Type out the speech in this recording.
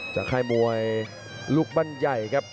ค่ายมวยลูกบ้านใหญ่ครับ